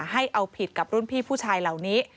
ให้เอาผิดกับรุ่นพี่ผู้ชายเหล่านี้